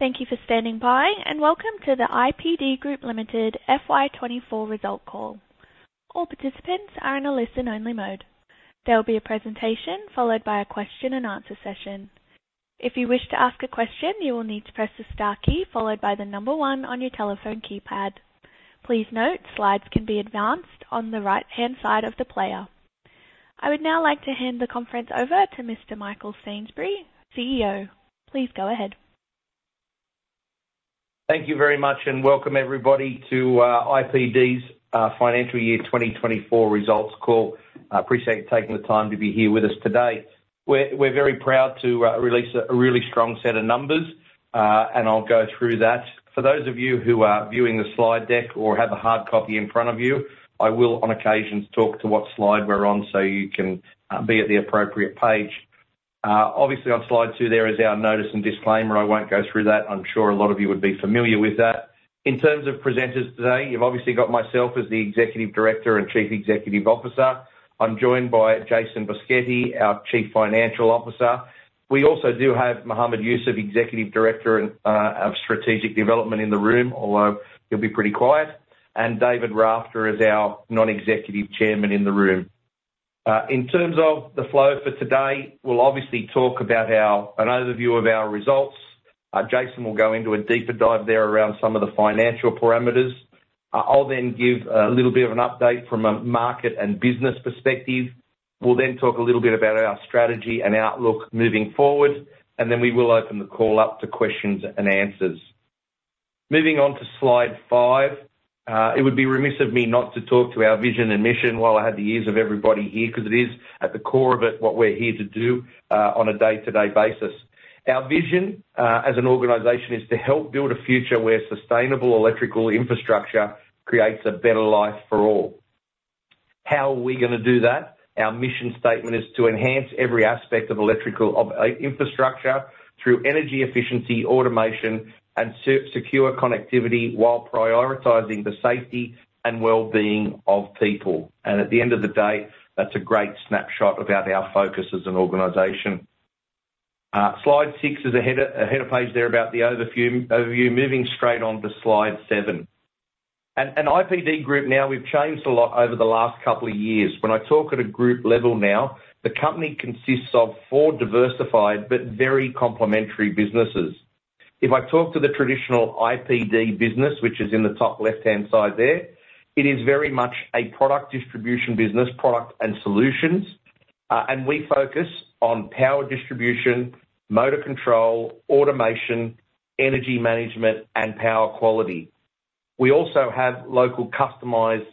Thank you for standing by, and welcome to the IPD Group Limited FY 2024 Result Call. All participants are in a listen-only mode. There will be a presentation followed by a question and answer session. If you wish to ask a question, you will need to press the star key followed by the number one on your telephone keypad. Please note, slides can be advanced on the right-hand side of the player. I would now like to hand the conference over to Mr. Michael Sainsbury, CEO. Please go ahead. Thank you very much, and welcome everybody to IPD's Financial Year 2024 Results Call. I appreciate you taking the time to be here with us today. We're very proud to release a really strong set of numbers, and I'll go through that. For those of you who are viewing the slide deck or have a hard copy in front of you, I will, on occasions, talk to what slide we're on so you can be at the appropriate page. Obviously, on slide two, there is our notice and disclaimer. I won't go through that. I'm sure a lot of you would be familiar with that. In terms of presenters today, you've obviously got myself as the Executive Director and Chief Executive Officer. I'm joined by Jason Boschetti, our Chief Financial Officer. We also do have Mohamed Yoosuf, Executive Director and of Strategic Development in the room, although he'll be pretty quiet, and David Rafter as our Non-Executive Chairman in the room. In terms of the flow for today, we'll obviously talk about our an overview of our results. Jason will go into a deeper dive there around some of the financial parameters. I'll then give a little bit of an update from a market and business perspective. We'll then talk a little bit about our strategy and outlook moving forward, and then we will open the call up to questions and answers. Moving on to slide five, it would be remiss of me not to talk to our vision and mission while I had the ears of everybody here, 'cause it is, at the core of it, what we're here to do, on a day-to-day basis. Our vision, as an organization, is to help build a future where sustainable electrical infrastructure creates a better life for all. How are we gonna do that? Our mission statement is to enhance every aspect of electrical of infrastructure through energy efficiency, automation, and secure connectivity while prioritizing the safety and well-being of people. And at the end of the day, that's a great snapshot about our focus as an organization. Slide six is a header page there about the overview. Moving straight on to slide seven. And IPD Group now, we've changed a lot over the last couple of years. When I talk at a group level now, the company consists of four diversified but very complementary businesses. If I talk to the traditional IPD business, which is in the top left-hand side there, it is very much a product distribution business, product and solutions. And we focus on power distribution, motor control, automation, energy management, and power quality. We also have local customized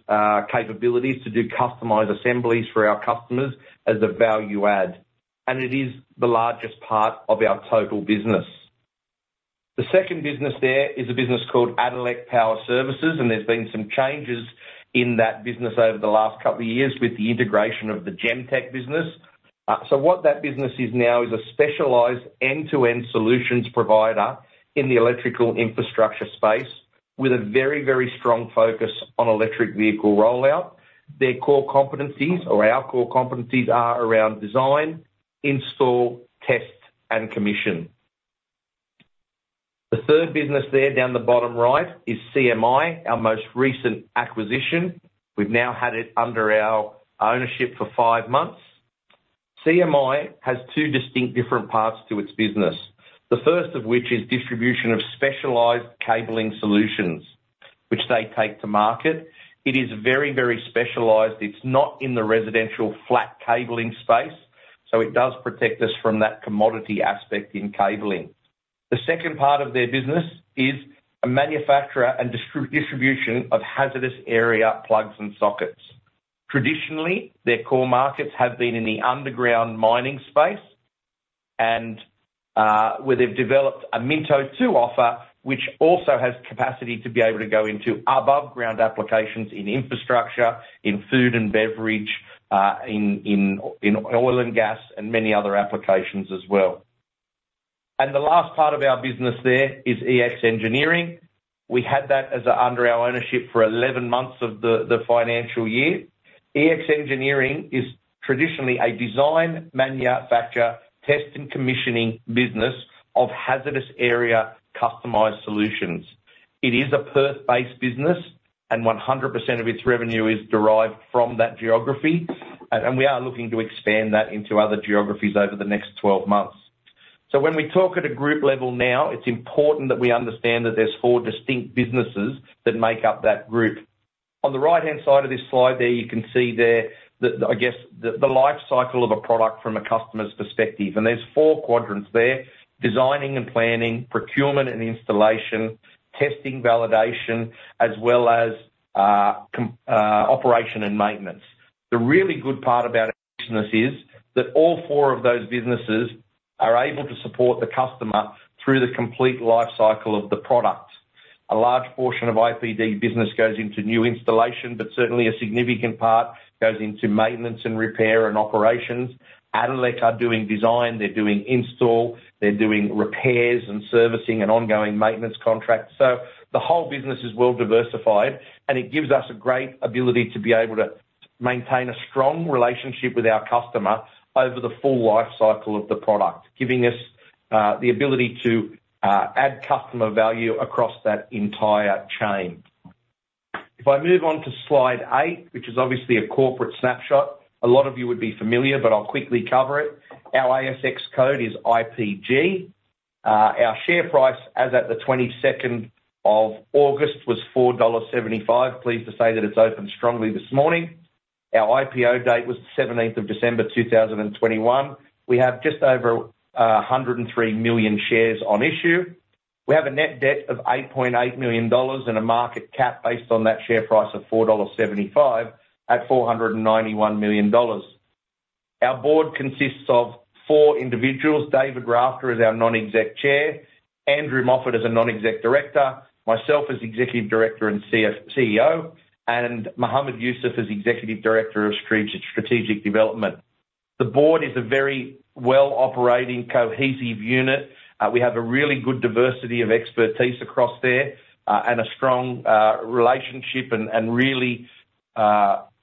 capabilities to do customized assemblies for our customers as a value add, and it is the largest part of our total business. The second business there is a business called Addelec Power Services, and there's been some changes in that business over the last couple of years with the integration of the Gemtek business. So what that business is now is a specialized end-to-end solutions provider in the electrical infrastructure space with a very, very strong focus on electric vehicle rollout. Their core competencies, or our core competencies, are around design, install, test, and commission. The third business there, down the bottom right, is CMI, our most recent acquisition. We've now had it under our ownership for five months. CMI has two distinct different parts to its business. The first of which is distribution of specialized cabling solutions, which they take to market. It is very, very specialized. It's not in the residential flat cabling space, so it does protect us from that commodity aspect in cabling. The second part of their business is a manufacturer and distribution of hazardous area plugs and sockets. Traditionally, their core markets have been in the underground mining space and where they've developed a Minto II offer, which also has capacity to be able to go into aboveground applications in infrastructure, in food and beverage, in oil and gas, and many other applications as well, and the last part of our business there is Ex Engineering. We had that under our ownership for eleven months of the financial year. Ex Engineering is traditionally a design, manufacture, test, and commissioning business of hazardous area customized solutions. It is a Perth-based business, and 100% of its revenue is derived from that geography, and we are looking to expand that into other geographies over the next twelve months. So when we talk at a group level now, it's important that we understand that there's four distinct businesses that make up that group. On the right-hand side of this slide there, you can see there that, I guess, the life cycle of a product from a customer's perspective, and there's four quadrants there: designing and planning, procurement and installation, testing, validation, as well as operation and maintenance. The really good part about our business is that all four of those businesses are able to support the customer through the complete life cycle of the product. A large portion of IPD business goes into new installation, but certainly a significant part goes into maintenance and repair and operations. Addelec are doing design, they're doing install, they're doing repairs and servicing and ongoing maintenance contracts. So the whole business is well diversified, and it gives us a great ability to be able to maintain a strong relationship with our customer over the full life cycle of the product, giving us the ability to add customer value across that entire chain. If I move on to slide eight, which is obviously a corporate snapshot, a lot of you would be familiar, but I'll quickly cover it. Our ASX code is IPG. Our share price, as at the 22 of August, was 4.75 dollars. Pleased to say that it's opened strongly this morning. Our IPO date was the 17th of December, 2022. We have just over a 103 million shares on issue. We have a net debt of 8.8 million dollars and a market cap based on that share price of 4.75 dollars at 491 million dollars. Our board consists of four individuals: David Rafter is our non-exec chair, Andrew Moffat is a non-exec director, myself as executive director and CEO, and Mohamed Yoosuf is Executive Director of Strategic Development. The board is a very well-operating, cohesive unit. We have a really good diversity of expertise across there, and a strong relationship and really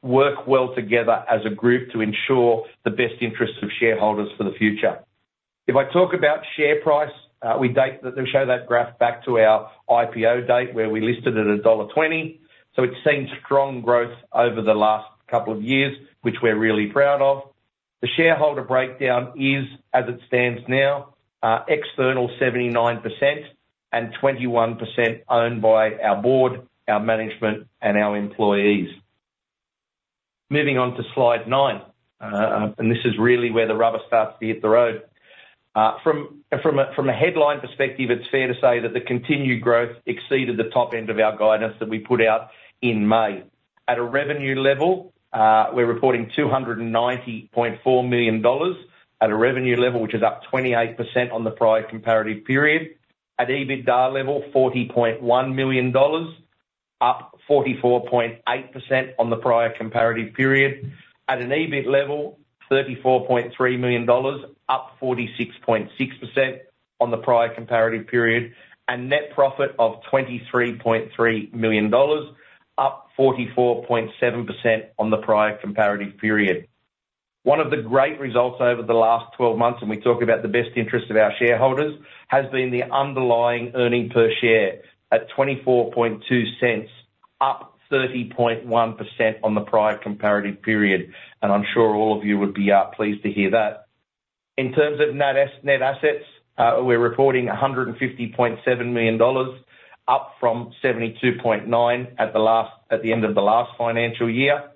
work well together as a group to ensure the best interests of shareholders for the future. If I talk about share price, we show that graph back to our IPO date, where we listed at dollar 1.20. So it's seen strong growth over the last couple of years, which we're really proud of. The shareholder breakdown is, as it stands now, external, 79% and 21% owned by our board, our management, and our employees. Moving on to slide 9, and this is really where the rubber starts to hit the road. From a headline perspective, it's fair to say that the continued growth exceeded the top end of our guidance that we put out in May. At a revenue level, we're reporting 290.4 million dollars at a revenue level, which is up 28% on the prior comparative period. At EBITDA level, 40.1 million dollars, up 44.8% on the prior comparative period. At an EBIT level, AUD 34.3 million, up 46.6% on the prior comparative period, and net profit of 23.3 million dollars, up 44.7% on the prior comparative period. One of the great results over the last twelve months, and we talk about the best interest of our shareholders, has been the underlying earnings per share at 0.242, up 30.1% on the prior comparative period, and I'm sure all of you would be pleased to hear that. In terms of net assets, we're reporting 150.7 million dollars, up from 72.9 at the end of the last financial year.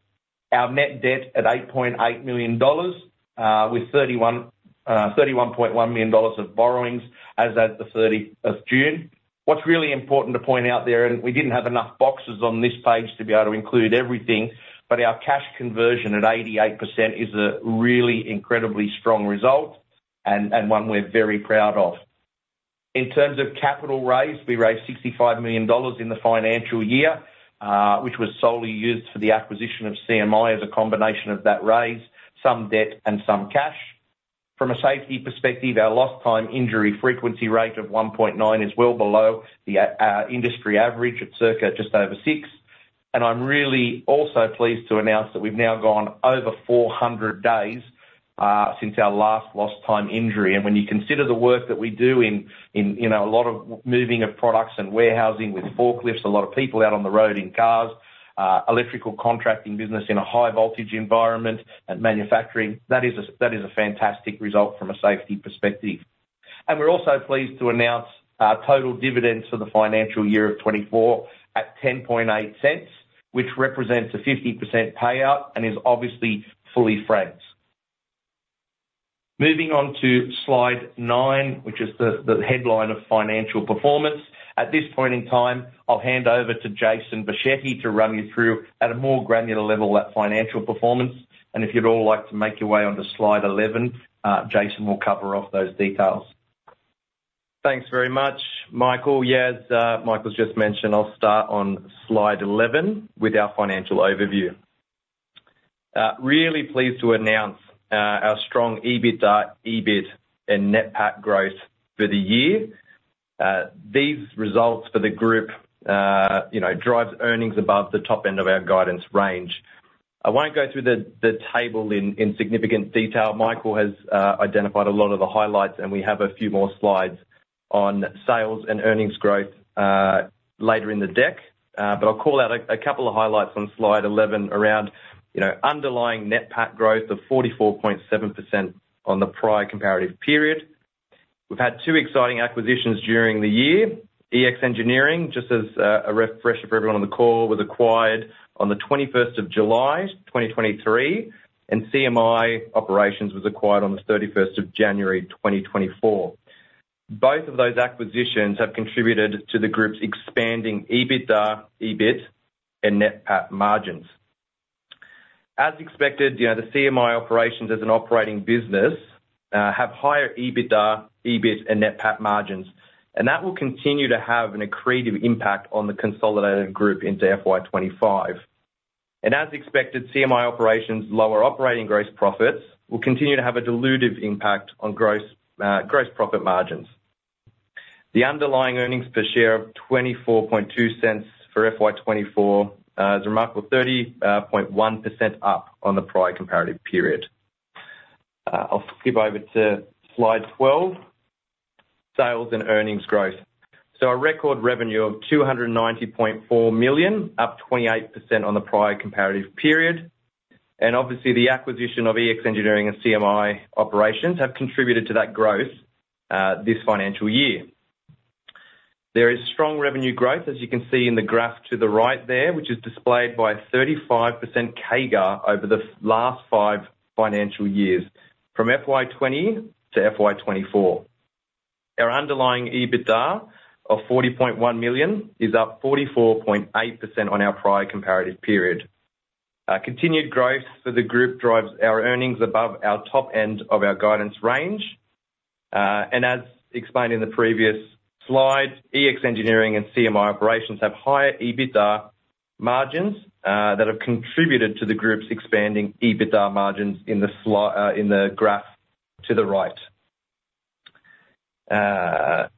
Our net debt at 8.8 million dollars, with 31.1 million dollars of borrowings as at the thirtieth of June. What's really important to point out there, and we didn't have enough boxes on this page to be able to include everything, but our cash conversion at 88% is a really incredibly strong result and one we're very proud of. In terms of capital raise, we raised 65 million dollars in the financial year, which was solely used for the acquisition of CMI as a combination of that raise, some debt and some cash. From a safety perspective, our Lost Time Injury Frequency Rate of 1.9 is well below the industry average at circa just over 6. I'm really also pleased to announce that we've now gone over 400 days since our last lost time injury. When you consider the work that we do in you know a lot of moving of products and warehousing with forklifts, a lot of people out on the road in cars, electrical contracting business in a high voltage environment and manufacturing, that is a fantastic result from a safety perspective. We're also pleased to announce our total dividends for the financial year of 2024 at 0.108, which represents a 50% payout and is obviously fully franked. Moving on to slide 9, which is the headline of financial performance. At this point in time, I'll hand over to Jason Boschetti to run you through at a more granular level that financial performance. And if you'd all like to make your way onto slide eleven, Jason will cover off those details. Thanks very much, Michael. Yes, Michael's just mentioned. I'll start on slide 11 with our financial overview. Really pleased to announce our strong EBITDA, EBIT and net PAT growth for the year. These results for the group, you know, drives earnings above the top end of our guidance range. I won't go through the table in significant detail. Michael has identified a lot of the highlights, and we have a few more slides on sales and earnings growth later in the deck. But I'll call out a couple of highlights on slide 11 around, you know, underlying net PAT growth of 44.7% on the prior comparative period. We've had two exciting acquisitions during the year. Ex Engineering, just as a refresher for everyone on the call, was acquired on the 21st of July 2023, and CMI Operations was acquired on the 21st of January 2024. Both of those acquisitions have contributed to the group's expanding EBITDA, EBIT and net PAT margins. As expected, you know, the CMI Operations as an operating business have higher EBITDA, EBIT, and net PAT margins, and that will continue to have an accretive impact on the consolidated group into FY 2025. As expected, CMI Operations' lower operating gross profits will continue to have a dilutive impact on gross profit margins. The underlying earnings per share of 0.242 for FY 2024 is a remarkable 30.1% up on the prior comparative period. I'll skip over to Slide 12: Sales and Earnings Growth. So our record revenue of 290.4 million, up 28% on the prior comparative period, and obviously, the acquisition of Ex Engineering and CMI Operations have contributed to that growth, this financial year. There is strong revenue growth, as you can see in the graph to the right there, which is displayed by a 35% CAGR over the last five financial years, from FY 2020 to FY 2024. Our underlying EBITDA of 40.1 million is up 44.8% on our prior comparative period. Continued growth for the group drives our earnings above our top end of our guidance range. And as explained in the previous slide, Ex Engineering and CMI Operations have higher EBITDA margins, that have contributed to the group's expanding EBITDA margins in the graph to the right. And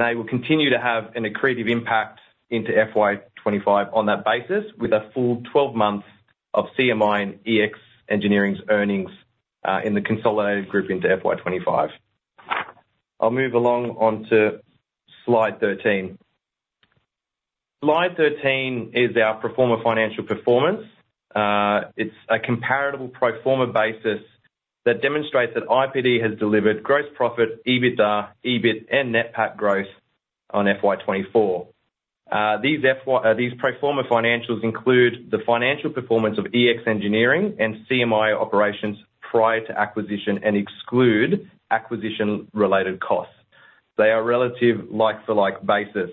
they will continue to have an accretive impact into FY 2025 on that basis, with a full 12 months of CMI Operations and Ex Engineering's earnings in the consolidated group into FY 2025. I'll move along onto Slide 13. Slide 13 is our pro forma financial performance. It's a comparable pro forma basis that demonstrates that IPD has delivered gross profit, EBITDA, EBIT, and net PAT growth on FY 2024. These pro forma financials include the financial performance of Ex Engineering and CMI Operations prior to acquisition and exclude acquisition-related costs. They are relative like-for-like basis.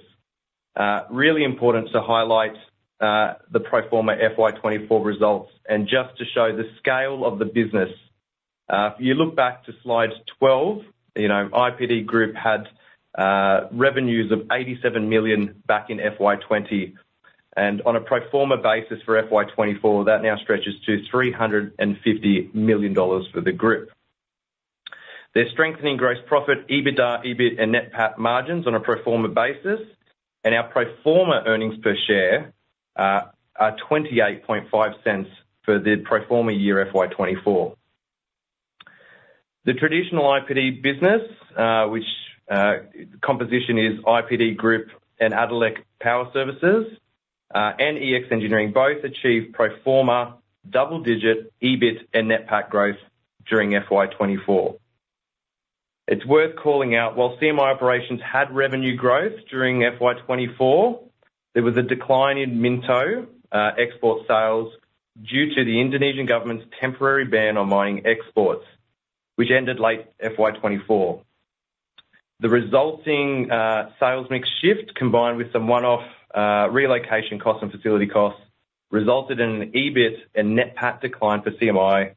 Really important to highlight the pro forma FY 2024 results. And just to show the scale of the business, if you look back to Slide 12, you know, IPD Group had revenues of 87 million back in FY 2020, and on a pro forma basis for FY 2024, that now stretches to 350 million dollars for the group. They're strengthening gross profit, EBITDA, EBIT, and net PAT margins on a pro forma basis, and our pro forma earnings per share are 0.285 for the pro forma year, FY 2024. The traditional IPD business, which composition is IPD Group and Addelec Power Services, and Ex Engineering, both achieve pro forma double-digit EBIT and net PAT growth during FY 2024. It's worth calling out, while CMI Operations had revenue growth during FY 2024, there was a decline in Minto export sales due to the Indonesian government's temporary ban on mining exports, which ended late FY 2024. The resulting sales mix shift, combined with some one-off relocation costs and facility costs, resulted in an EBIT and net PAT decline for CMI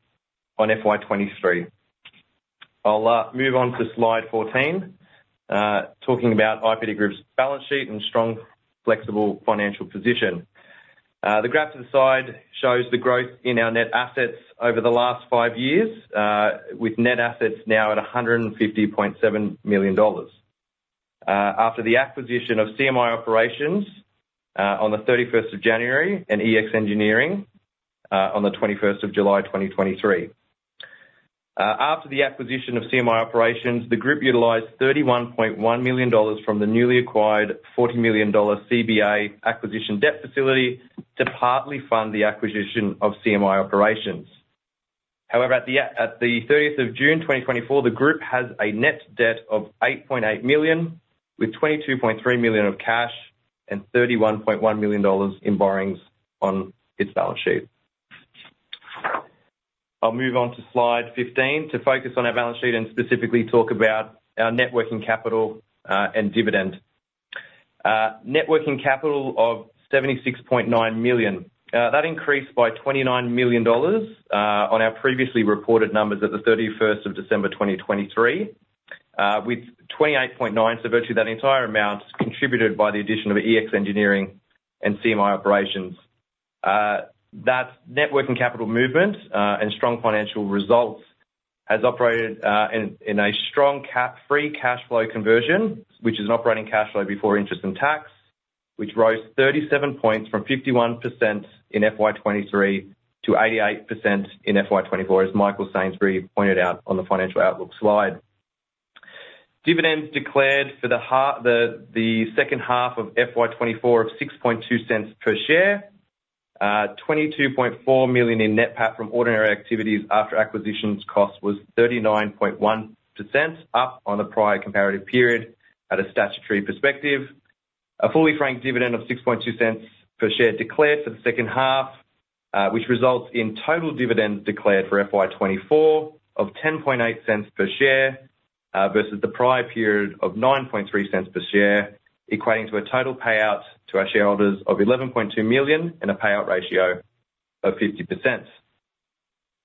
on FY 2023. I'll move on to Slide 14, talking about IPD Group's balance sheet and strong, flexible financial position. The graph to the side shows the growth in our net assets over the last five years, with net assets now at 150.7 million dollars, after the acquisition of CMI Operations on the 31st of January and Ex Engineering on the 21st of July, 2023. After the acquisition of CMI Operations, the group utilized 31.1 million dollars from the newly acquired 40 million dollar CBA acquisition debt facility to partly fund the acquisition of CMI Operations. However, at the thirtieth of June, 2024, the group has a net debt of 8.8 million, with 22.3 million of cash and 31.1 million dollars in borrowings on its balance sheet. I'll move on to Slide 15 to focus on our balance sheet and specifically talk about our net working capital and dividend. Net working capital of 76.9 million that increased by 29 million dollars on our previously reported numbers at the 31st of December, 2023, with 28.9, so virtually that entire amount is contributed by the addition of Ex Engineering and CMI Operations. That net working capital movement and strong financial results has operated in a strong capex-free cash flow conversion, which is an operating cash flow before interest and tax, which rose 37 points from 51% in FY 2023 to 88% in FY 2024, as Michael Sainsbury pointed out on the financial outlook slide. Dividends declared for the second half of FY 2024 of 0.062 per share. 22.4 million in net PAT from ordinary activities after acquisition costs was 39.1%, up on the prior comparative period at a statutory perspective. A fully franked dividend of 0.062 per share declared for the second half, which results in total dividends declared for FY 2024 of 0.108 per share, versus the prior period of 0.093 per share, equating to a total payout to our shareholders of 11.2 million and a payout ratio of 50%.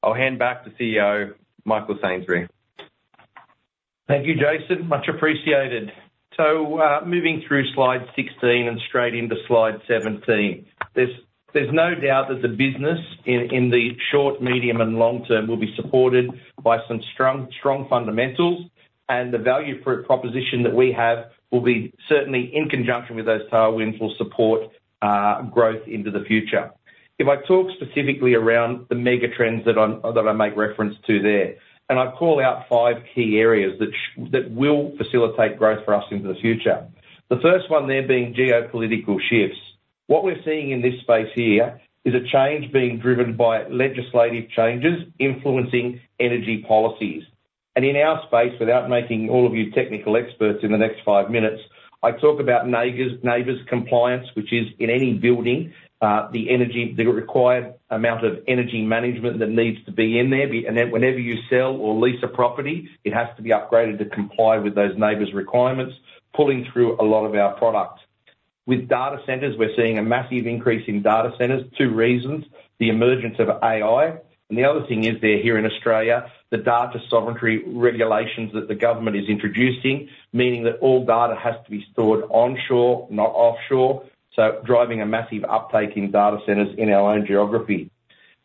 I'll hand back to CEO, Michael Sainsbury. Thank you, Jason. Much appreciated. So, moving through slide 16 and straight into slide 17. There's no doubt that the business in the short, medium, and long term will be supported by some strong fundamentals, and the value proposition that we have will be certainly in conjunction with those tailwinds, will support growth into the future. If I talk specifically around the megatrends that I make reference to there, and I call out five key areas that will facilitate growth for us into the future. The first one there being geopolitical shifts. What we're seeing in this space here is a change being driven by legislative changes influencing energy policies. In our space, without making all of you technical experts in the next five minutes, I talk about NABERS, NABERS compliance, which is in any building, the required amount of energy management that needs to be in there. And then whenever you sell or lease a property, it has to be upgraded to comply with those NABERS requirements, pulling through a lot of our products. With data centers, we're seeing a massive increase in data centers. Two reasons: the emergence of AI, and the other thing is here in Australia, the data sovereignty regulations that the government is introducing, meaning that all data has to be stored onshore, not offshore, so driving a massive uptake in data centers in our own geography.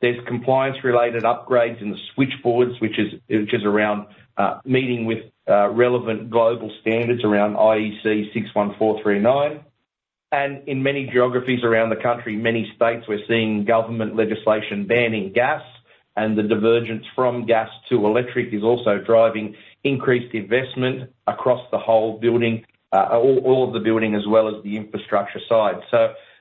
There's compliance-related upgrades in the switchboards, which is around meeting with relevant global standards around IEC 61439, and in many geographies around the country, many states, we're seeing government legislation banning gas, and the divergence from gas to electric is also driving increased investment across the whole building, all of the building, as well as the infrastructure side.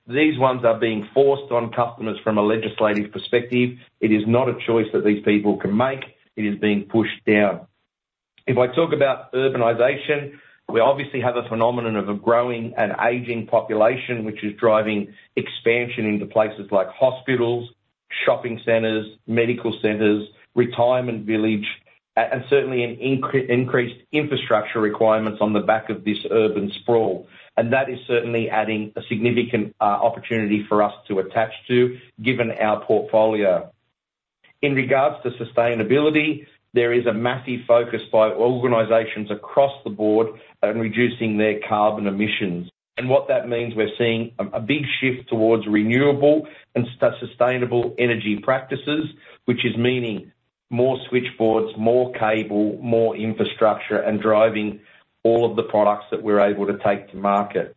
These ones are being forced on customers from a legislative perspective. It is not a choice that these people can make. It is being pushed down. If I talk about urbanization, we obviously have a phenomenon of a growing and aging population, which is driving expansion into places like hospitals, shopping centers, medical centers, retirement village, and certainly increased infrastructure requirements on the back of this urban sprawl. That is certainly adding a significant opportunity for us to attach to, given our portfolio. In regards to sustainability, there is a massive focus by organizations across the board on reducing their carbon emissions. What that means, we're seeing a big shift towards renewable and sustainable energy practices, which is meaning more switchboards, more cable, more infrastructure, and driving all of the products that we're able to take to market.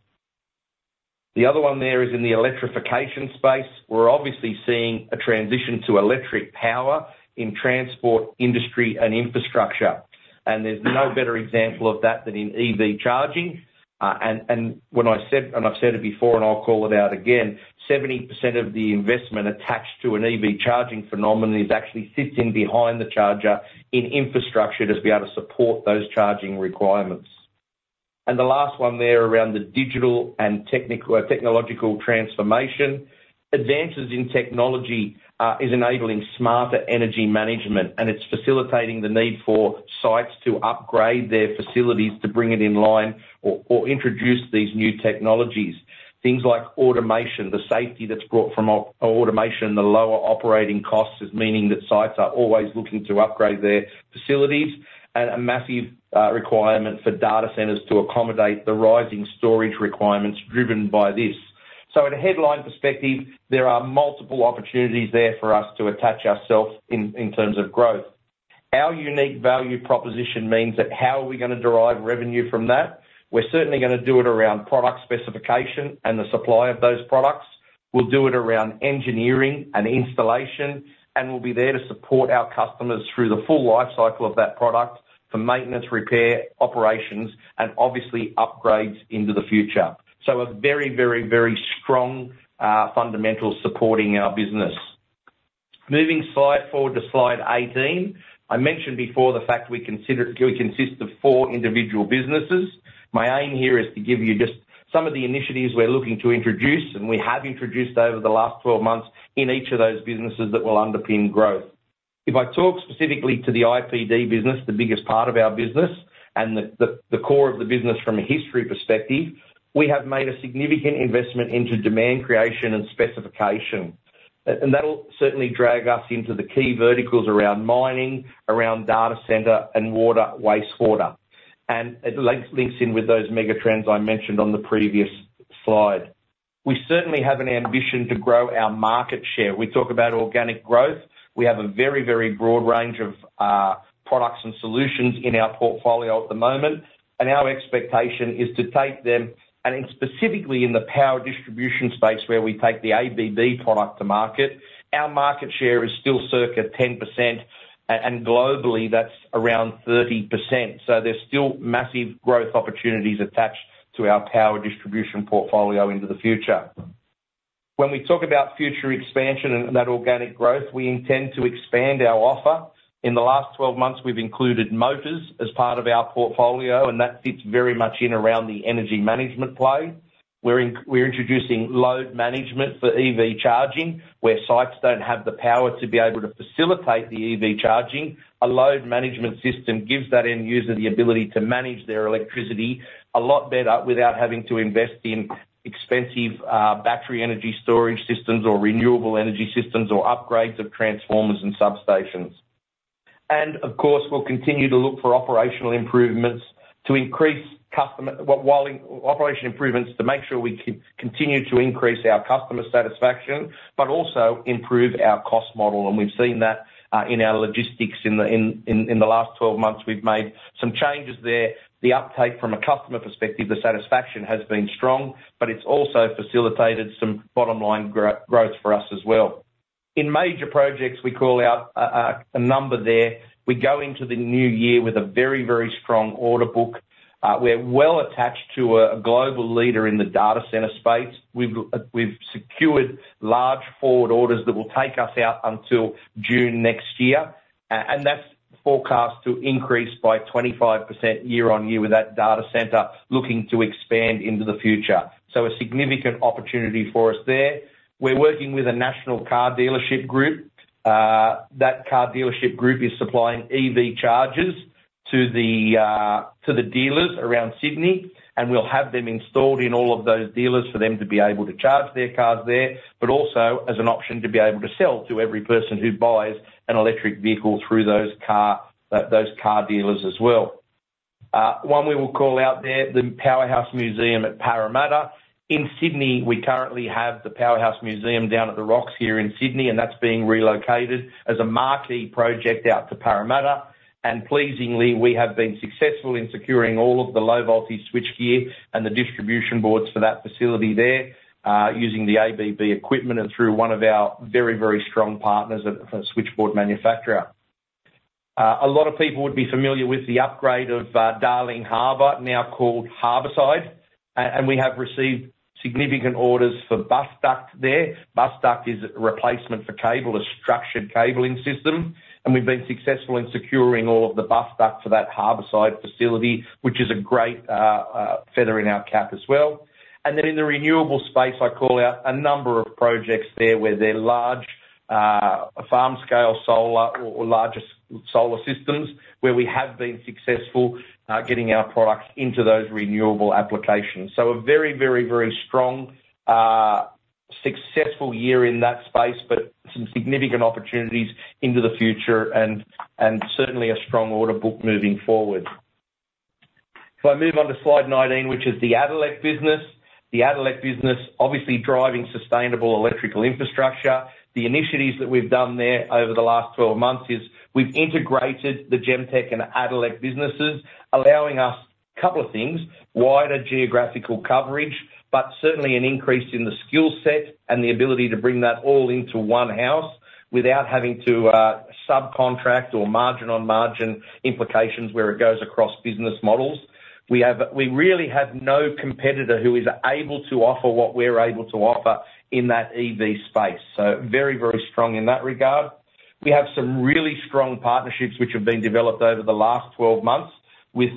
The other one there is in the electrification space. We're obviously seeing a transition to electric power in transport, industry, and infrastructure, and there's no better example of that than in EV charging. And when I said, and I've said it before, and I'll call it out again, 70% of the investment attached to an EV charging phenomenon is actually sitting behind the charger in infrastructure to be able to support those charging requirements. And the last one there, around the digital and technological transformation. Advances in technology is enabling smarter energy management, and it's facilitating the need for sites to upgrade their facilities to bring it in line or introduce these new technologies. Things like automation, the safety that's brought from automation, the lower operating costs is meaning that sites are always looking to upgrade their facilities at a massive requirement for data centers to accommodate the rising storage requirements driven by this. In a headline perspective, there are multiple opportunities there for us to attach ourselves in terms of growth. Our unique value proposition means that how are we going to derive revenue from that? We're certainly going to do it around product specification and the supply of those products. We'll do it around engineering and installation, and we'll be there to support our customers through the full life cycle of that product for maintenance, repair, operations, and obviously upgrades into the future. So a very, very, very strong fundamental supporting our business. Moving forward to slide 18. I mentioned before the fact we consist of four individual businesses. My aim here is to give you just some of the initiatives we're looking to introduce, and we have introduced over the last 12 months in each of those businesses that will underpin growth. If I talk specifically to the IPD business, the biggest part of our business and the core of the business from a history perspective, we have made a significant investment into demand creation and specification, and that'll certainly drag us into the key verticals around mining, around data center, and water, wastewater, and it links in with those megatrends I mentioned on the previous slide. We certainly have an ambition to grow our market share. We talk about organic growth. We have a very, very broad range of products and solutions in our portfolio at the moment, and our expectation is to take them and specifically in the power distribution space, where we take the ABB product to market, our market share is still circa 10%, and globally, that's around 30%. There's still massive growth opportunities attached to our power distribution portfolio into the future. When we talk about future expansion and that organic growth, we intend to expand our offer. In the last twelve months, we've included motors as part of our portfolio, and that fits very much in around the energy management play. We're introducing load management for EV charging. Where sites don't have the power to be able to facilitate the EV charging, a load management system gives that end user the ability to manage their electricity a lot better without having to invest in expensive, battery energy storage systems or renewable energy systems or upgrades of transformers and substations. Of course, we'll continue to look for operational improvements to increase our customer satisfaction, but also improve our cost model. And we've seen that in our logistics in the last 12 months. We've made some changes there. The uptake from a customer perspective, the satisfaction has been strong, but it's also facilitated some bottom-line growth for us as well. In major projects, we call out a number there. We go into the new year with a very, very strong order book. We're well attached to a global leader in the data center space. We've secured large forward orders that will take us out until June next year, and that's forecast to increase by 25% year-on-year with that data center, looking to expand into the future. So a significant opportunity for us there. We're working with a national car dealership group. That car dealership group is supplying EV chargers to the dealers around Sydney, and we'll have them installed in all of those dealers for them to be able to charge their cars there, but also as an option to be able to sell to every person who buys an electric vehicle through those car dealers as well. One we will call out there, the Powerhouse Museum at Parramatta. In Sydney, we currently have the Powerhouse Museum down at The Rocks here in Sydney, and that's being relocated as a marquee project out to Parramatta, and pleasingly, we have been successful in securing all of the low-voltage switchgear and the distribution boards for that facility there, using the ABB equipment and through one of our very, very strong partners of, a switchboard manufacturer. A lot of people would be familiar with the upgrade of Darling Harbour, now called Harbourside, and we have received significant orders for bus duct there. Bus duct is a replacement for cable, a structured cabling system, and we've been successful in securing all of the bus duct for that Harbourside facility, which is a great feather in our cap as well. Then in the renewable space, I call out a number of projects there, where they're large farm-scale solar or larger solar systems, where we have been successful getting our products into those renewable applications. So a very, very, very strong successful year in that space, but some significant opportunities into the future and certainly a strong order book moving forward. If I move on to slide 19, which is the Addelec business. The Addelec business, obviously driving sustainable electrical infrastructure. The initiatives that we've done there over the last twelve months is we've integrated the Gemtek and Addelec businesses, allowing us a couple of things: wider geographical coverage, but certainly an increase in the skill set and the ability to bring that all into one house without having to subcontract or margin-on-margin implications where it goes across business models. We have, we really have no competitor who is able to offer what we're able to offer in that EV space, so very, very strong in that regard. We have some really strong partnerships which have been developed over the last twelve months with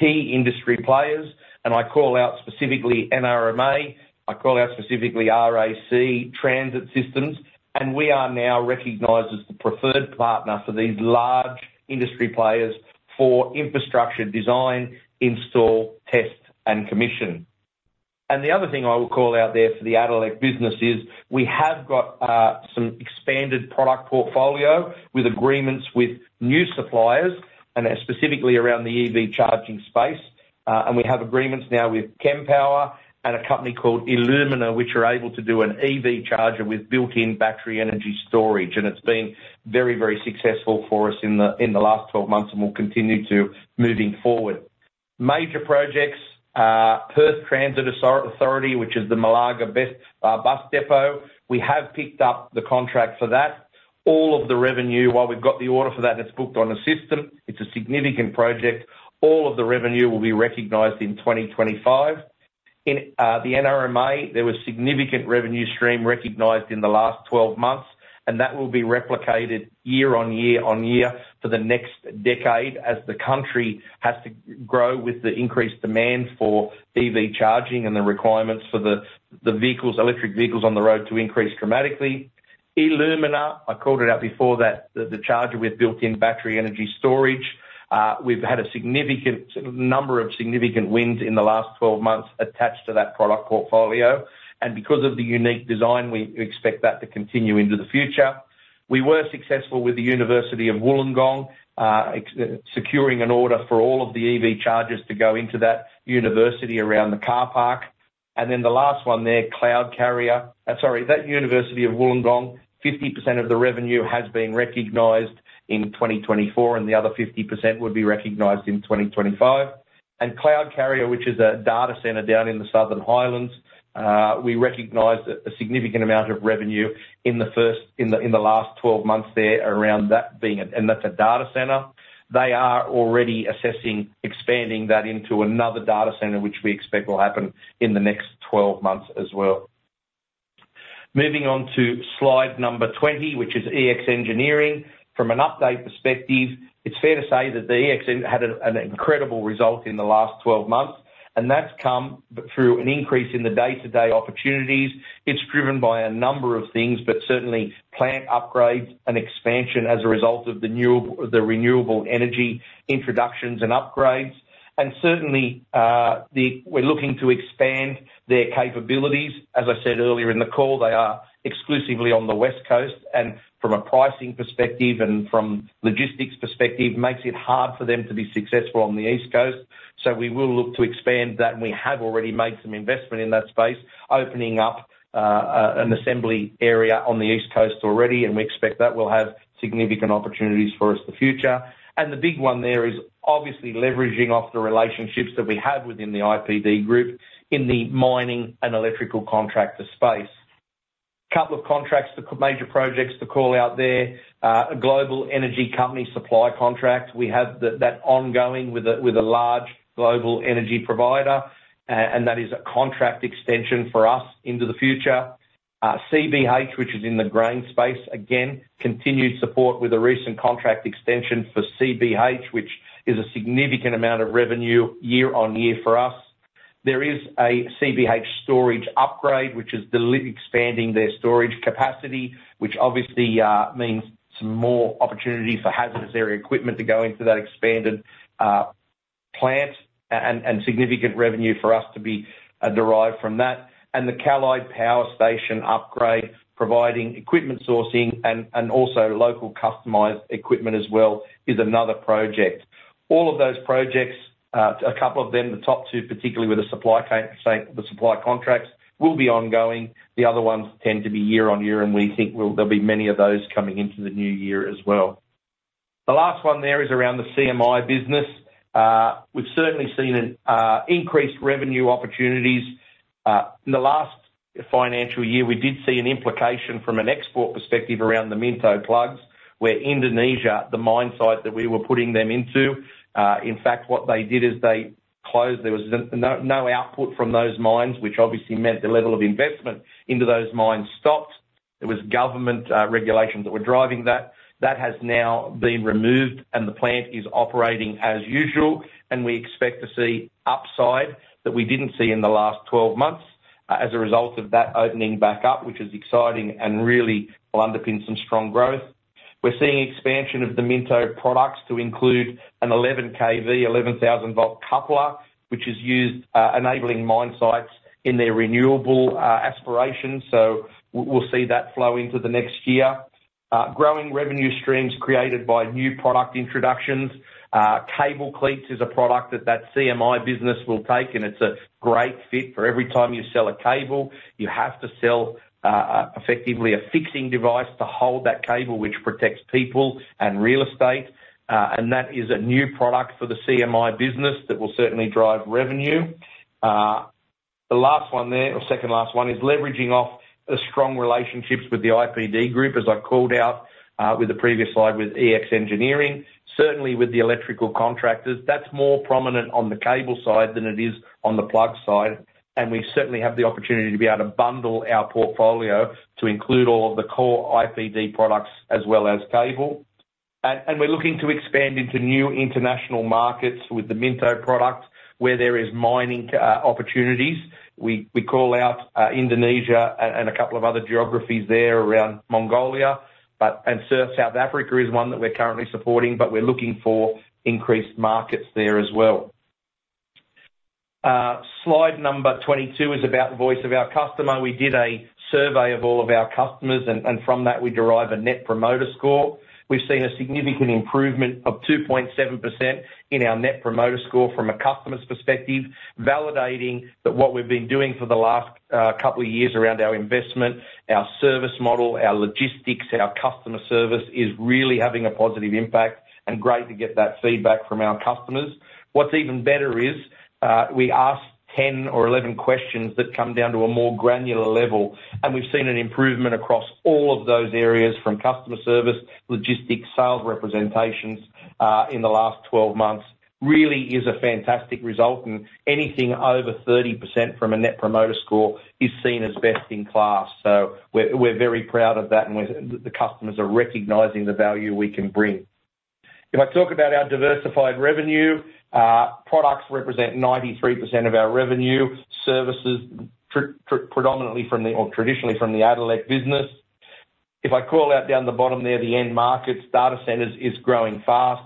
key industry players, and I call out specifically NRMA, I call out specifically RAC, Transit Systems, and we are now recognized as the preferred partner for these large industry players for infrastructure design, install, test, and commission. The other thing I will call out there for the Addelec business is, we have got some expanded product portfolio with agreements with new suppliers, and they're specifically around the EV charging space. We have agreements now with Kempower and a company called Elumina, which are able to do an EV charger with built-in battery energy storage. It's been very, very successful for us in the last twelve months and will continue to moving forward. Major projects, Perth Transit Authority, which is the Malaga Bus Depot. We have picked up the contract for that. All of the revenue, while we've got the order for that, and it's booked on the system, it's a significant project. All of the revenue will be recognized in 2025. In the NRMA, there was significant revenue stream recognized in the last twelve months, and that will be replicated year-on-year-on-year for the next decade, as the country has to grow with the increased demand for EV charging and the requirements for the, the vehicles, electric vehicles on the road to increase dramatically. Elumina, I called it out before that, the, the charger with built-in battery energy storage. We've had a significant number of significant wins in the last twelve months attached to that product portfolio, and because of the unique design, we expect that to continue into the future. We were successful with the University of Wollongong securing an order for all of the EV chargers to go into that university around the car park, and then the last one there, CloudCarrier. Sorry, that University of Wollongong, 50% of the revenue has been recognized in 2024, and the other 50% would be recognized in 2025, and CloudCarrier, which is a data center down in the Southern Highlands, we recognized a significant amount of revenue in the last twelve months there around that being it, and that's a data center. They are already assessing expanding that into another data center, which we expect will happen in the next 12 months as well. Moving on to slide number 20, which is Ex Engineering. From an update perspective, it's fair to say that the Ex Engineering had an incredible result in the last 12 months. That's come through an increase in the day-to-day opportunities. It's driven by a number of things, but certainly plant upgrades and expansion as a result of the new renewable energy introductions and upgrades, and certainly, we're looking to expand their capabilities. As I said earlier in the call, they are exclusively on the West Coast, and from a pricing perspective and from logistics perspective, makes it hard for them to be successful on the East Coast. So we will look to expand that, and we have already made some investment in that space, opening up an assembly area on the East Coast already, and we expect that will have significant opportunities for us in the future. And the big one there is obviously leveraging off the relationships that we have within the IPD Group in the mining and electrical contractor space. Couple of contracts, the major projects to call out there, a global energy company supply contract. We have that ongoing with a large global energy provider, and that is a contract extension for us into the future. CBH, which is in the grain space, again, continued support with a recent contract extension for CBH, which is a significant amount of revenue year-on-year for us. There is a CBH storage upgrade, which is expanding their storage capacity, which obviously means some more opportunity for hazardous area equipment to go into that expanded plant and significant revenue for us to be derived from that. And the Callide Power Station upgrade, providing equipment sourcing and also local customized equipment as well, is another project. All of those projects, a couple of them, the top two, particularly with the supply chain, the supply contracts, will be ongoing. The other ones tend to be year-on-year, and we think there'll be many of those coming into the new year as well. The last one there is around the CMI business. We've certainly seen an increased revenue opportunities. In the last financial year, we did see an implication from an export perspective around the Minto plugs, where Indonesia, the mine site that we were putting them into, in fact, what they did is they closed. There was no, no output from those mines, which obviously meant the level of investment into those mines stopped. There was government regulations that were driving that. That has now been removed and the plant is operating as usual, and we expect to see upside that we didn't see in the last 12 months, as a result of that opening back up, which is exciting and really will underpin some strong growth. We're seeing expansion of the Minto products to include an 11 kV, 11,000-volt coupler, which is used enabling mine sites in their renewable aspirations. So we'll see that flow into the next year. Growing revenue streams created by new product introductions. Cable cleats is a product that the CMI business will take, and it's a great fit for every time you sell a cable, you have to sell, effectively, a fixing device to hold that cable, which protects people and real estate. And that is a new product for the CMI business that will certainly drive revenue. The last one there, or second last one, is leveraging off the strong relationships with the IPD Group, as I called out, with the previous slide with Ex Engineering. Certainly, with the electrical contractors, that's more prominent on the cable side than it is on the plug side, and we certainly have the opportunity to be able to bundle our portfolio to include all of the core IPD products as well as cable. And we're looking to expand into new international markets with the Minto product, where there is mining opportunities. We call out Indonesia and a couple of other geographies there around Mongolia, but and South Africa is one that we're currently supporting, but we're looking for increased markets there as well. Slide number 22 is about the voice of our customer. We did a survey of all of our customers, and from that, we derive a Net Promoter Score. We've seen a significant improvement of 2.7% in our Net Promoter Score from a customer's perspective, validating that what we've been doing for the last couple of years around our investment, our service model, our logistics, our customer service, is really having a positive impact, and great to get that feedback from our customers. What's even better is, we ask 10 or 11 questions that come down to a more granular level, and we've seen an improvement across all of those areas from customer service, logistics, sales representations, in the last twelve months. Really is a fantastic result, and anything over 30% from a Net Promoter Score is seen as best in class. So we're very proud of that, and the customers are recognizing the value we can bring. If I talk about our diversified revenue, products represent 93% of our revenue, services predominantly from the, or traditionally from the Addelec business. If I call out down the bottom there, the end markets, data centers is growing fast.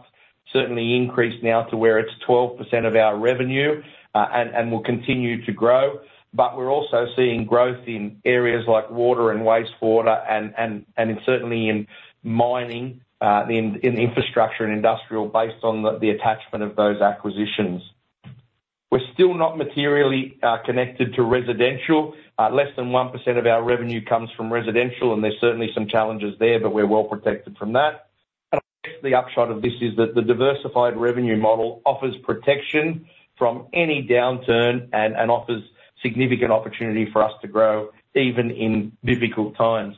Certainly increased now to where it's 12% of our revenue, and will continue to grow. But we're also seeing growth in areas like water and wastewater and certainly in mining, in infrastructure and industrial, based on the attachment of those acquisitions. We're still not materially connected to residential. Less than 1% of our revenue comes from residential, and there's certainly some challenges there, but we're well protected from that. I guess the upshot of this is that the diversified revenue model offers protection from any downturn and offers significant opportunity for us to grow, even in difficult times.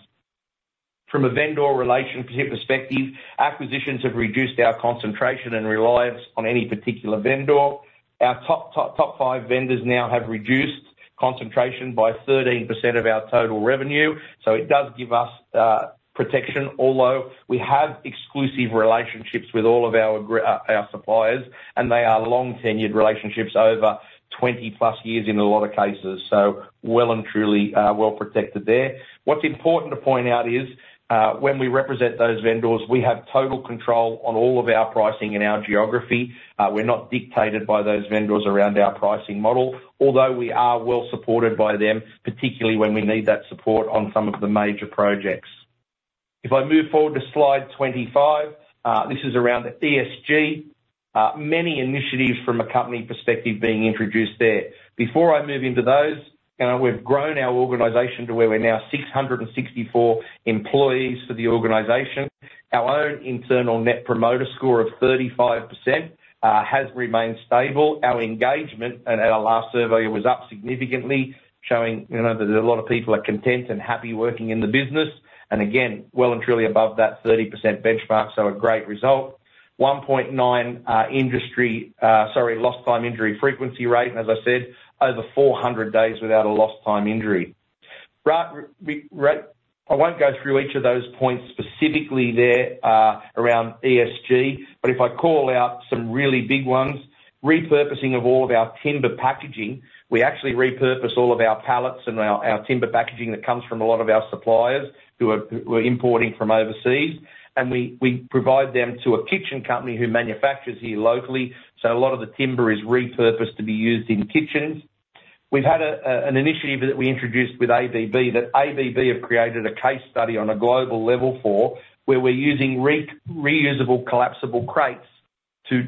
From a vendor relation perspective, acquisitions have reduced our concentration and reliance on any particular vendor. Our top five vendors now have reduced concentration by 13% of our total revenue, so it does give us protection. Although we have exclusive relationships with all of our suppliers, and they are long-tenured relationships, over 20+ years in a lot of cases, so well and truly well protected there. What's important to point out is when we represent those vendors, we have total control on all of our pricing and our geography. We're not dictated by those vendors around our pricing model, although we are well supported by them, particularly when we need that support on some of the major projects. If I move forward to slide 25, this is around the ESG. Many initiatives from a company perspective being introduced there. Before I move into those, you know, we've grown our organization to where we're now six hundred and sixty-four employees for the organization. Our own internal Net Promoter Score of 35%, has remained stable. Our engagement at our last survey was up significantly, showing, you know, that a lot of people are content and happy working in the business, and again, well and truly above that 30% benchmark, so a great result. 1.9 Lost Time Injury Frequency Rate, and as I said, over 400 days without a lost time injury. I won't go through each of those points specifically there around ESG, but if I call out some really big ones, repurposing of all of our timber packaging. We actually repurpose all of our pallets and our timber packaging that comes from a lot of our suppliers who are importing from overseas, and we provide them to a kitchen company who manufactures here locally, so a lot of the timber is repurposed to be used in kitchens. We've had an initiative that we introduced with ABB, that ABB have created a case study on a global level for, where we're using reusable, collapsible crates to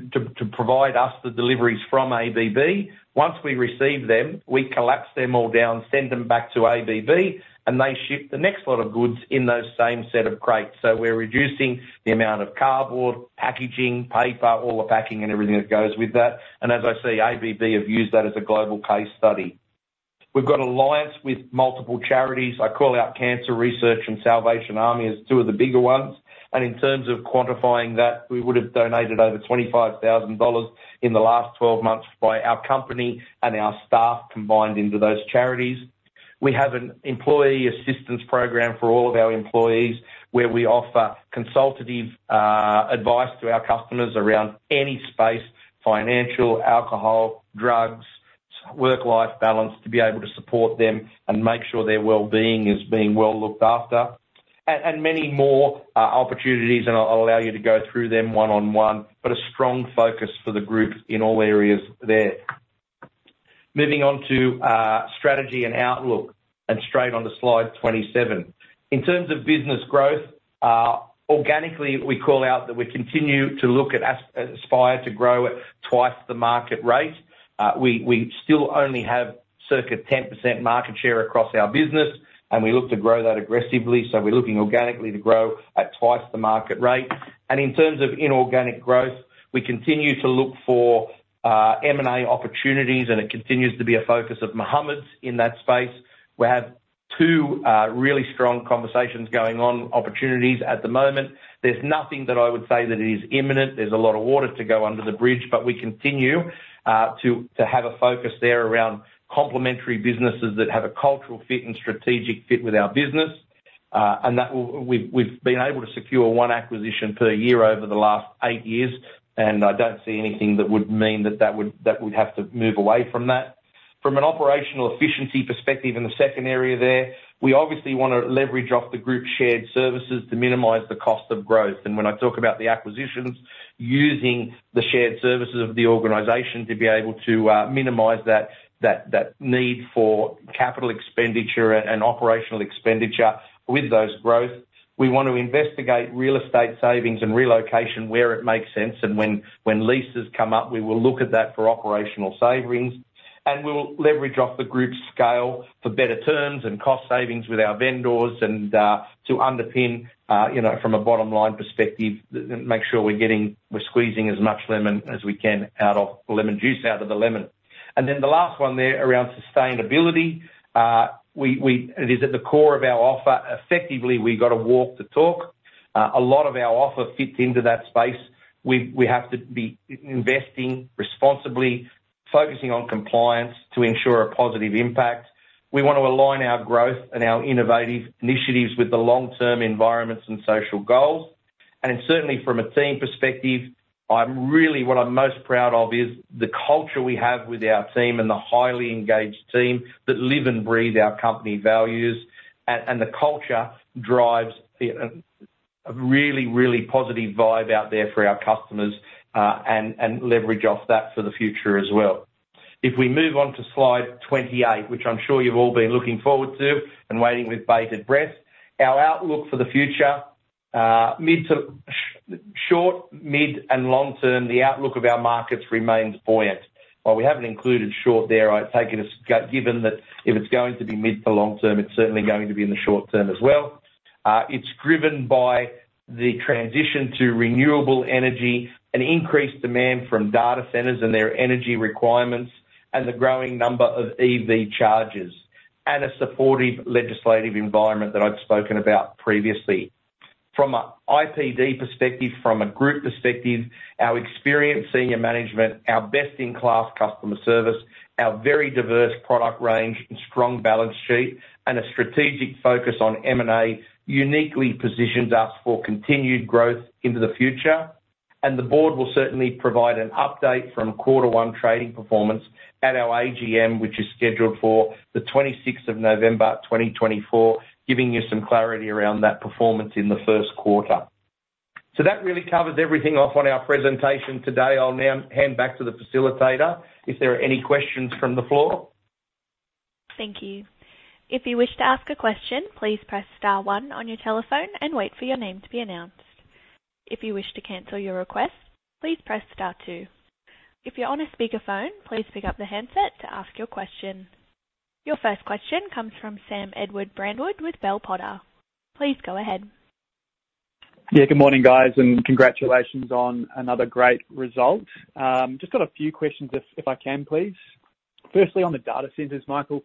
provide us the deliveries from ABB. Once we receive them, we collapse them all down, send them back to ABB, and they ship the next lot of goods in those same set of crates. So we're reducing the amount of cardboard, packaging, paper, all the packing, and everything that goes with that, and as I say, ABB have used that as a global case study. We've got alliance with multiple charities. I call out Cancer Research and Salvation Army as two of the bigger ones, and in terms of quantifying that, we would've donated over 25,000 dollars in the last twelve months by our company and our staff combined into those charities. We have an employee assistance program for all of our employees, where we offer consultative advice to our customers around any space, financial, alcohol, drugs, work-life balance, to be able to support them and make sure their wellbeing is being well looked after. And many more opportunities, and I'll allow you to go through them one-on-one, but a strong focus for the group in all areas there. Moving on to strategy and outlook, and straight onto slide 27. In terms of business growth, organically, we call out that we continue to aspire to grow at twice the market rate. We still only have circa 10% market share across our business, and we look to grow that aggressively, so we're looking organically to grow at twice the market rate. In terms of inorganic growth, we continue to look for M&A opportunities, and it continues to be a focus of Mohamed's in that space. We have two really strong conversations going on, opportunities at the moment. There's nothing that I would say that is imminent. There's a lot of water to go under the bridge, but we continue to have a focus there around complementary businesses that have a cultural fit and strategic fit with our business. And that will. We've been able to secure one acquisition per year over the last eight years, and I don't see anything that would mean that we'd have to move away from that. From an operational efficiency perspective, in the second area there, we obviously want to leverage off the group shared services to minimize the cost of growth. And when I talk about the acquisitions, using the shared services of the organization to be able to minimize that need for capital expenditure and operational expenditure with those growth. We want to investigate real estate savings and relocation where it makes sense, and when leases come up, we will look at that for operational savings. And we'll leverage off the group's scale for better terms and cost savings with our vendors and to underpin you know from a bottom-line perspective and make sure we're squeezing as much lemon as we can out of lemon juice out of the lemon. And then the last one there, around sustainability, it is at the core of our offer. Effectively, we've got to walk the talk. A lot of our offer fits into that space. We have to be investing responsibly, focusing on compliance to ensure a positive impact. We want to align our growth and our innovative initiatives with the long-term environments and social goals. And certainly from a team perspective, I'm really what I'm most proud of is the culture we have with our team and the highly engaged team that live and breathe our company values, and the culture drives a really, really positive vibe out there for our customers, and leverage off that for the future as well. If we move on to slide 28, which I'm sure you've all been looking forward to and waiting with bated breath, our outlook for the future, mid to short, mid, and long term, the outlook of our markets remains buoyant. While we haven't included short there, I take it as given that if it's going to be mid to long term, it's certainly going to be in the short term as well. It's driven by the transition to renewable energy and increased demand from data centers and their energy requirements, and the growing number of EV chargers, and a supportive legislative environment that I've spoken about previously. From an IPD perspective, from a group perspective, our experienced senior management, our best-in-class customer service, our very diverse product range and strong balance sheet, and a strategic focus on M&A, uniquely positions us for continued growth into the future. The board will certainly provide an update from quarter one trading performance at our AGM, which is scheduled for the 26th of November, 2024, giving you some clarity around that performance in the Q1. So that really covers everything off on our presentation today. I'll now hand back to the facilitator if there are any questions from the floor. Thank you. If you wish to ask a question, please press star one on your telephone and wait for your name to be announced. If you wish to cancel your request, please press star two. If you're on a speakerphone, please pick up the handset to ask your question. Your first question comes from Sam Brandwood with Bell Potter. Please go ahead. Yeah, good morning, guys, and congratulations on another great result. Just got a few questions if I can, please. Firstly, on the data centers, Michael,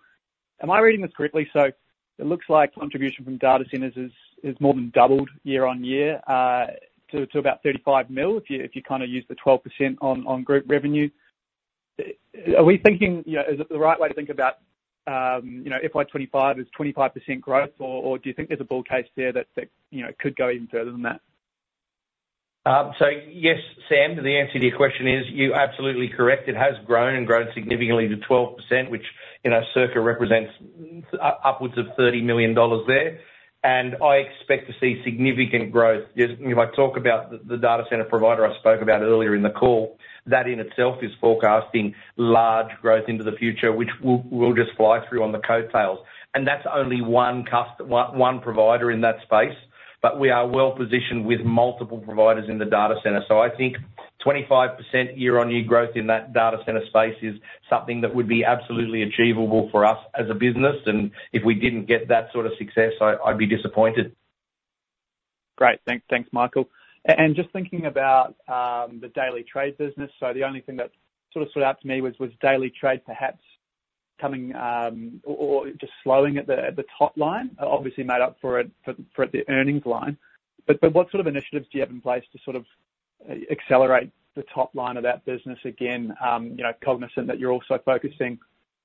am I reading this correctly? So it looks like contribution from data centers is more than doubled year-on-year to about 35 million, if you kind of use the 12% on group revenue. Are we thinking, you know, is it the right way to think about, you know, FY 2025 is 25% growth, or do you think there's a bull case there that, you know, could go even further than that? So yes, Sam, the answer to your question is, you're absolutely correct. It has grown and grown significantly to 12%, which, you know, circa represents upwards of 30 million dollars there. And I expect to see significant growth. If I talk about the data center provider I spoke about earlier in the call, that in itself is forecasting large growth into the future, which we'll just fly through on the coattails. And that's only one provider in that space, but we are well positioned with multiple providers in the data center. So I think 25% year-on-year growth in that data center space is something that would be absolutely achievable for us as a business, and if we didn't get that sort of success, I'd be disappointed. Great. Thanks. Thanks, Michael. And just thinking about the daily trade business. So the only thing that sort of stood out to me was daily trade, perhaps coming or just slowing at the top line, obviously made up for it for the earnings line. But what sort of initiatives do you have in place to sort of accelerate the top line of that business again, you know, cognizant that you're also focusing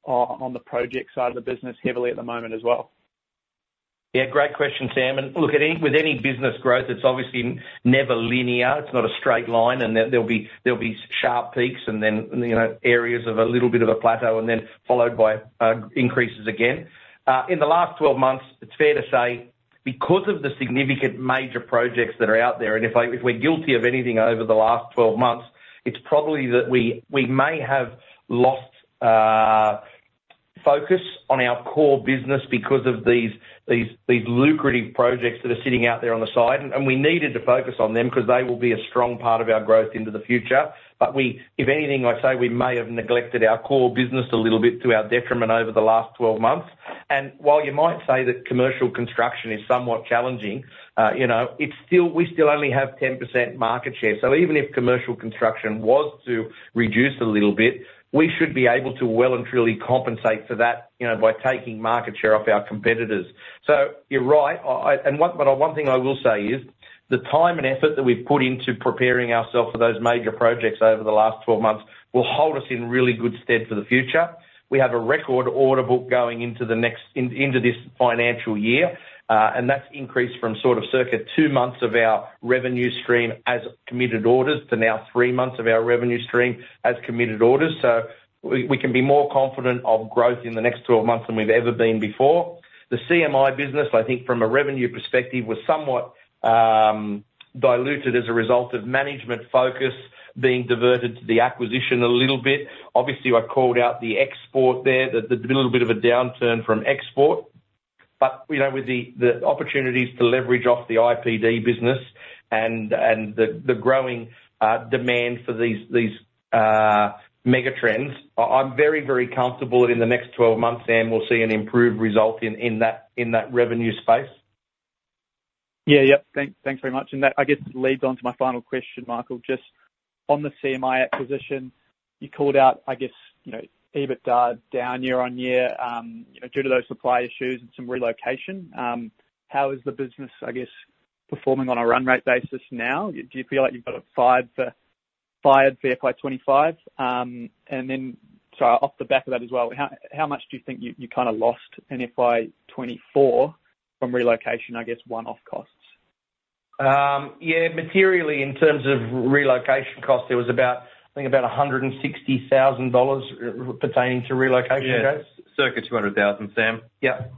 on the project side of the business heavily at the moment as well? Yeah, great question, Sam. And look, with any business growth, it's obviously never linear. It's not a straight line, and there'll be sharp peaks and then, you know, areas of a little bit of a plateau and then followed by increases again. In the last twelve months, it's fair to say, because of the significant major projects that are out there, and if we're guilty of anything over the last twelve months, it's probably that we may have lost focus on our core business because of these lucrative projects that are sitting out there on the side, and we needed to focus on them because they will be a strong part of our growth into the future. But if anything, I'd say we may have neglected our core business a little bit to our detriment over the last 12 months. And while you might say that commercial construction is somewhat challenging, you know, it's still we still only have 10% market share. So even if commercial construction was to reduce a little bit, we should be able to well and truly compensate for that, you know, by taking market share off our competitors. So you're right, and one thing I will say is, the time and effort that we've put into preparing ourselves for those major projects over the last 12 months will hold us in really good stead for the future. We have a record order book going into the next financial year, and that's increased from sort of circa two months of our revenue stream as committed orders, to now three months of our revenue stream as committed orders. So we can be more confident of growth in the next twelve months than we've ever been before. The CMI business, I think from a revenue perspective, was somewhat diluted as a result of management focus being diverted to the acquisition a little bit. Obviously, I called out the export there, that there's been a little bit of a downturn from export, but, you know, with the opportunities to leverage off the IPD business and the growing demand for these megatrends, I'm very, very comfortable that in the next twelve months, Sam, we'll see an improved result in that revenue space. Yeah. Yep. Thanks very much. And that, I guess, leads on to my final question, Michael. Just on the CMI acquisition, you called out, I guess, you know, EBITDA down year-on-year, you know, due to those supply issues and some relocation. How is the business, I guess, performing on a run rate basis now? Do you feel like you've got a 5% for FY 2025? And then, sorry, off the back of that as well, how much do you think you kind of lost in FY 2024 from relocation, I guess, one-off costs? Yeah, materially, in terms of relocation costs, there was about, I think, about 160,000 dollars pertaining to relocation costs. Yeah. Circa 200,000, Sam. Yep.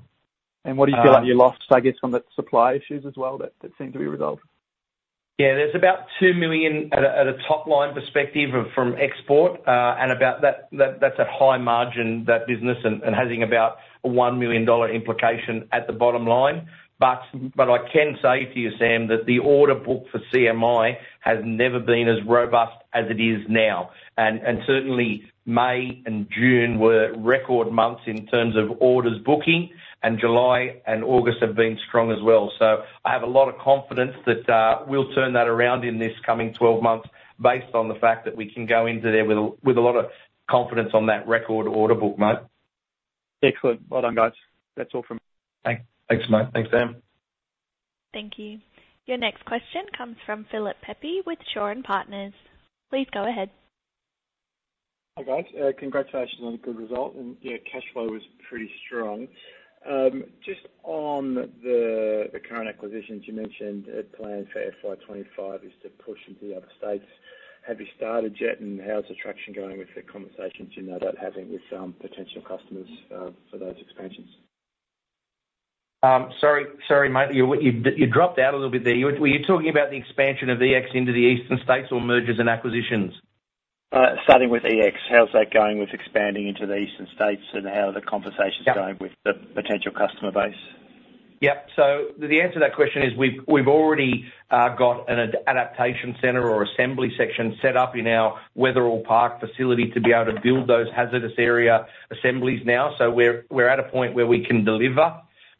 What do you feel like you lost, I guess, on the supply issues as well, that seemed to be resolved? Yeah, there's about 2 million at a top line perspective from export, and about. That that's a high margin, that business, and having about a 1 million dollar implication at the bottom line. But I can say to you, Sam, that the order book for CMI has never been as robust as it is now. And certainly, May and June were record months in terms of orders booking, and July and August have been strong as well. So I have a lot of confidence that we'll turn that around in this coming twelve months based on the fact that we can go into there with a lot of confidence on that record order book, mate. Excellent. Well done, guys. That's all from me. Thanks. Thanks, mate. Thanks, Sam. Thank you. Your next question comes from Philip Pepe with Shaw and Partners. Please go ahead. Hi, guys. Congratulations on the good result, and, yeah, cash flow is pretty strong. Just on the current acquisitions, you mentioned a plan for FY 2025 is to push into the other states. Have you started yet? And how's the traction going with the conversations you know about having with potential customers for those expansions? Sorry, sorry, mate, you dropped out a little bit there. Were you talking about the expansion of EX into the eastern states or mergers and acquisitions? Starting with EX, how's that going with expanding into the eastern states, and how are the conversations- Yeah Going with the potential customer base? Yeah. So the answer to that question is we've already got an adaptation center or assembly section set up in our Wetherill Park facility to be able to build those hazardous area assemblies now. So we're at a point where we can deliver.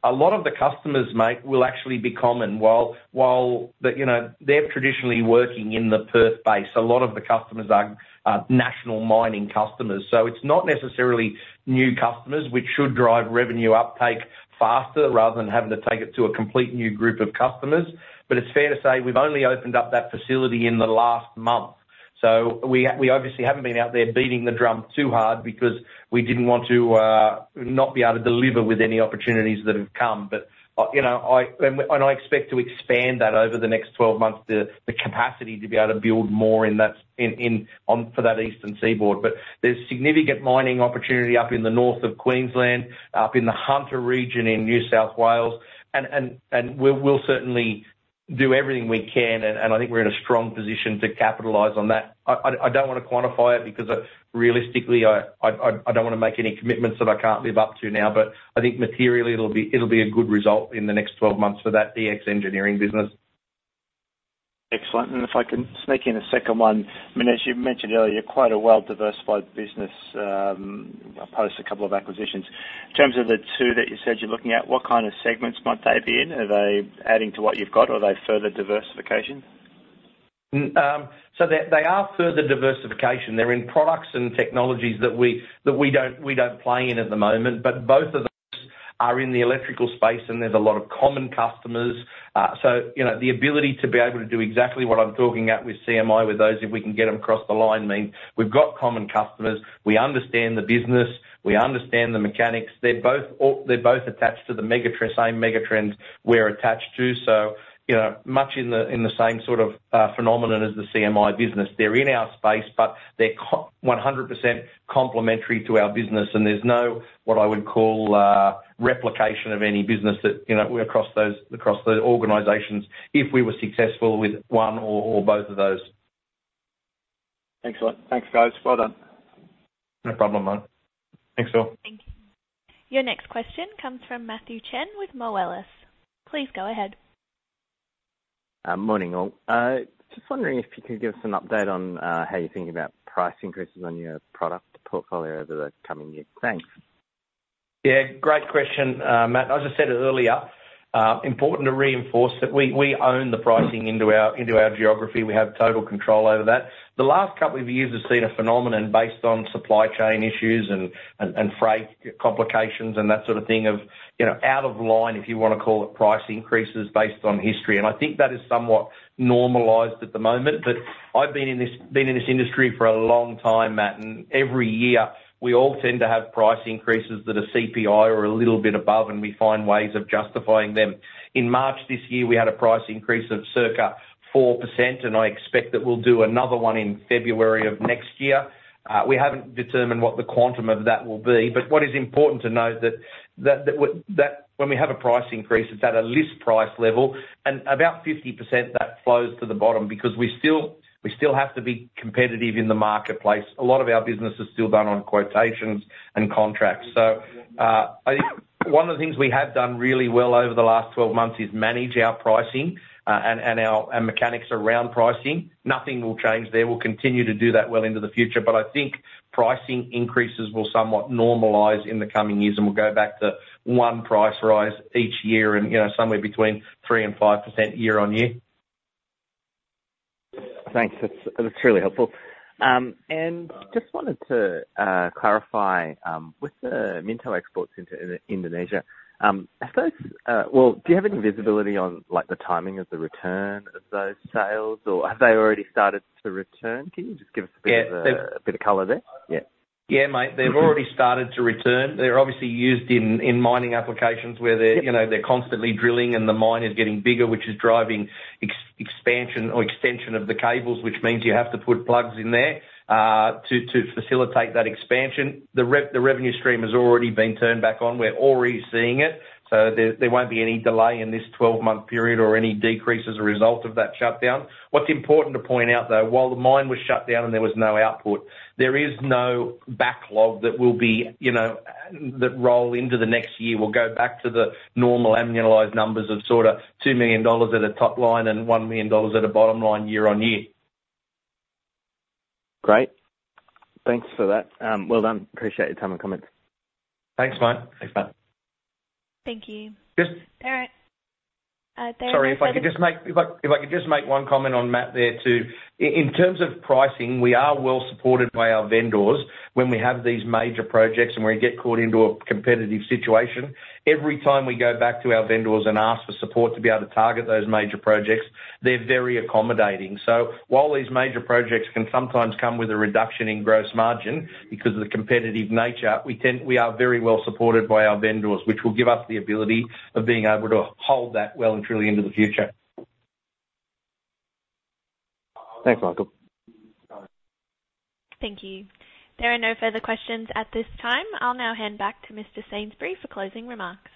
A lot of the customers, mate, will actually be common while the, you know. They're traditionally working in the Perth base. A lot of the customers are national mining customers, so it's not necessarily new customers, which should drive revenue uptake faster rather than having to take it to a complete new group of customers. But it's fair to say we've only opened up that facility in the last month, so we obviously haven't been out there beating the drum too hard because we didn't want to not be able to deliver with any opportunities that have come. But you know, I expect to expand that over the next twelve months, the capacity to be able to build more in that, on, for that eastern seaboard. There's significant mining opportunity up in the north of Queensland, up in the Hunter Region in New South Wales, and we'll certainly do everything we can, and I think we're in a strong position to capitalize on that. I don't want to quantify it because, realistically, I don't want to make any commitments that I can't live up to now. But I think materially it'll be a good result in the next twelve months for that Ex Engineering business. Excellent. And if I can sneak in a second one. I mean, as you mentioned earlier, you're quite a well-diversified business, post a couple of acquisitions. In terms of the two that you said you're looking at, what kind of segments might they be in? Are they adding to what you've got, or are they further diversification? So they are further diversification. They're in products and technologies that we don't play in at the moment. But both of those are in the electrical space, and there's a lot of common customers. So, you know, the ability to be able to do exactly what I'm talking about with CMI, with those, if we can get them across the line, mate, we've got common customers. We understand the business. We understand the mechanics. They're both attached to the mega trend, same megatrends we're attached to. So, you know, much in the same sort of phenomenon as the CMI business. They're in our space, but they're completely one hundred percent complementary to our business, and there's no, what I would call, replication of any business that, you know, across those, across the organizations, if we were successful with one or both of those. Excellent. Thanks, guys. Well done. No problem, mate. Thanks, all. Thank you. Your next question comes from Matthew Chen with Moelis. Please go ahead. Morning, all. Just wondering if you could give us an update on how you're thinking about price increases on your product portfolio over the coming years? Thanks. Yeah, great question, Matt. As I said earlier, important to reinforce that we own the pricing into our geography. We have total control over that. The last couple of years have seen a phenomenon based on supply chain issues and freight complications and that sort of thing of you know out of line, if you want to call it, price increases based on history, and I think that is somewhat normalized at the moment, but I've been in this industry for a long time, Matt, and every year we all tend to have price increases that are CPI or a little bit above, and we find ways of justifying them. In March this year, we had a price increase of circa 4%, and I expect that we'll do another one in February of next year. We haven't determined what the quantum of that will be, but what is important to note is that when we have a price increase, it's at a list price level, and about 50% that flows to the bottom because we still have to be competitive in the marketplace. A lot of our business is still done on quotations and contracts. One of the things we have done really well over the last 12 months is manage our pricing and mechanics around pricing. Nothing will change there. We'll continue to do that well into the future. But I think pricing increases will somewhat normalize in the coming years, and we'll go back to one price rise each year and, you know, somewhere between 3% and 5% year-on-year. Thanks. That's, that's really helpful. And just wanted to clarify with the Minto exports into Indonesia, are those... Well, do you have any visibility on, like, the timing of the return of those sales, or have they already started to return? Can you just give us a bit of- Yeah. A bit of color there? Yeah. Yeah, mate, they've already started to return. They're obviously used in, in mining applications where they're- Yep... you know, they're constantly drilling and the mine is getting bigger, which is driving EX expansion or extension of the cables, which means you have to put plugs in there, to facilitate that expansion. The revenue stream has already been turned back on. We're already seeing it, so there won't be any delay in this twelve-month period or any decrease as a result of that shutdown. What's important to point out, though, while the mine was shut down and there was no output, there is no backlog that will be, you know, that roll into the next year. We'll go back to the normal annualized numbers of sort of 2 million dollars at a top line and 1 million dollars at a bottom line year-on-year. Great. Thanks for that. Well done. Appreciate your time and comments. Thanks, mate. Thanks, mate. Thank you. Just- There are no further- Sorry, if I could just make one comment on Matt there, too. In terms of pricing, we are well supported by our vendors when we have these major projects and we get caught into a competitive situation. Every time we go back to our vendors and ask for support to be able to target those major projects, they're very accommodating. So while these major projects can sometimes come with a reduction in gross margin because of the competitive nature, we are very well supported by our vendors, which will give us the ability of being able to hold that well and truly into the future. Thanks, Michael. Thank you. There are no further questions at this time. I'll now hand back to Mr. Sainsbury for closing remarks.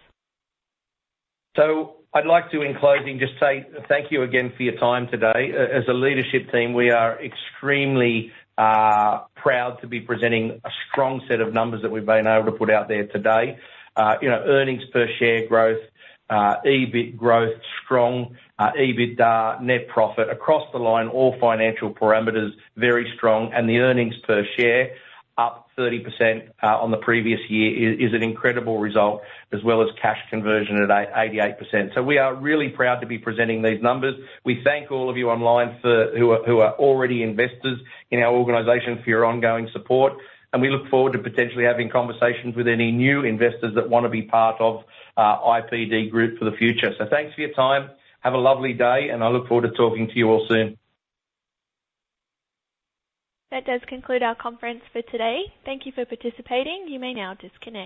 So I'd like to, in closing, just say thank you again for your time today. As a leadership team, we are extremely proud to be presenting a strong set of numbers that we've been able to put out there today. You know, earnings per share growth, EBIT growth, strong EBITDA, net profit. Across the line, all financial parameters very strong, and the earnings per share up 30% on the previous year is an incredible result, as well as cash conversion at 88%. So we are really proud to be presenting these numbers. We thank all of you online for who are already investors in our organization, for your ongoing support, and we look forward to potentially having conversations with any new investors that want to be part of IPD Group for the future. So thanks for your time. Have a lovely day, and I look forward to talking to you all soon. That does conclude our conference for today. Thank you for participating. You may now disconnect.